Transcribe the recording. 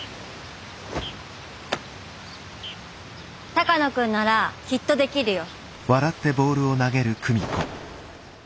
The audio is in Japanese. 鷹野君ならきっとできるよ。